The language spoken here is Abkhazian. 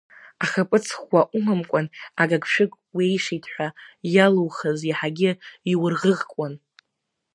Ахаԥыц ӷәӷәа умамкәан, агыгшәыг уеишит ҳәа иалоухыз, иаҳагьы иурӷыӷкуан.